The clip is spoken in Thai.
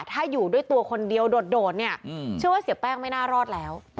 ถ้าอยู่ด้วยตัวคนเดียวโดดเนี่ยเชื่อว่าเสียแป้งไม่น่ารอดแล้ว